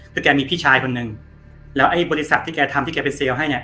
คือแกมีพี่ชายคนนึงแล้วไอ้บริษัทที่แกทำที่แกไปเซลล์ให้เนี่ย